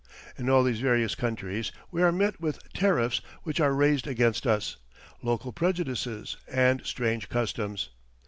In all these various countries we are met with tariffs which are raised against us, local prejudices, and strange customs.